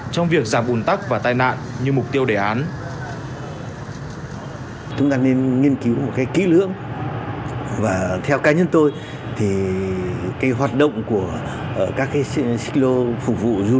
trong việc giảm ủn tăng giảm nguyên liệu giảm nguyên liệu giảm nguyên liệu giảm nguyên liệu